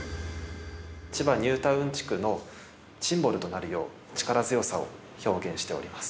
千葉ニュータウン地区のシンボルとなるよう力強さを表現しております。